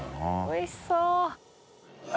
おいしそう！